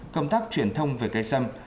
công tác truyền thông về cây sâm